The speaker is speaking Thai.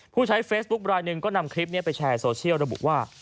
ผู้ใช้เฟซบุ๊คลายหนึ่งก็นำคลิปนี้ไปแชร์โซเชียลระบุว่า